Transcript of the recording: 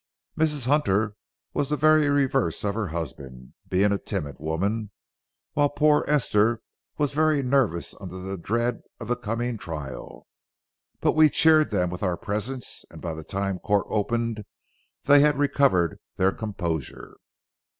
Mrs. Hunter was the very reverse of her husband, being a timid woman, while poor Esther was very nervous under the dread of the coming trial. But we cheered them with our presence, and by the time court opened, they had recovered their composure.